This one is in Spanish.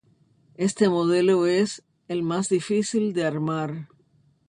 Este modelo es el más difícil de armar.